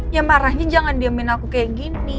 ya marahnya jangan diemin aku kayak gini